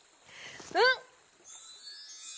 うん！